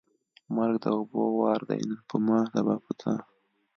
ـ مرګ د اوبو وار دی نن په ما ، سبا په تا.